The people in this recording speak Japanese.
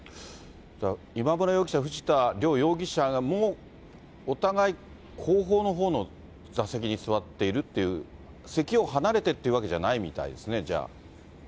今村容疑者、藤田両容疑者も、お互い後方のほうの座席に座っているっていう、席を離れてっていうわけじゃないみたいですね、じゃあ。